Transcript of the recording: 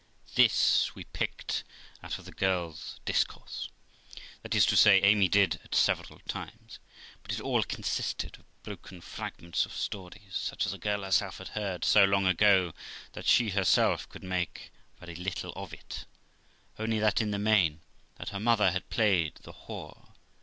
This we picked out of the girl's discourse, that is to say, Amy did, at several times; but it all consisted of broken fragments of stories, such as the girl herself had heard so long ago, that she herself could make very little of it; only that in the main, that her mother had played the whore?